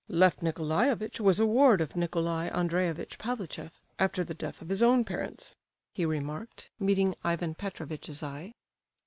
"Lef Nicolaievitch was a ward of Nicolai Andreevitch Pavlicheff, after the death of his own parents," he remarked, meeting Ivan Petrovitch's eye.